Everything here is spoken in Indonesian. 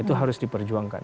itu harus diperjuangkan